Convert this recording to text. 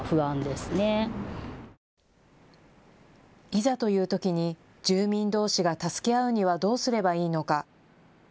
いざというときに住民どうしが助け合うにはどうすればいいのか。